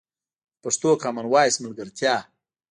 د پښتو کامن وایس ملګرتیا